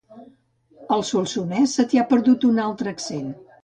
Al Solsonès se t'hi ha perdut un altre accent